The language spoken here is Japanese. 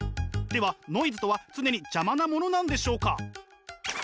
ではノイズとは常に邪魔なものなんでしょうか？